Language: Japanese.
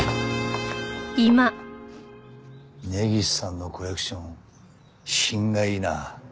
根岸さんのコレクション品がいいな。